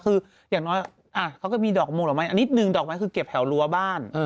คืออย่างน้อยเค้าก็มีดอกโมงละไม้อันนิดนึงดอกไม้คือเก็บแห่วรัวบ้าน